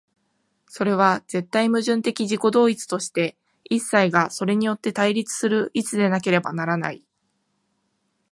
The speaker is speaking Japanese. それは絶対矛盾的自己同一として、一切がそれによって成立する一でなければならない。